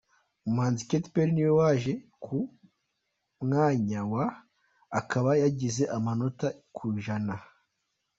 Umuhanzikazi Katy Perry ni we waje ku mwanya wa akaba yagize amanota , ku ijana.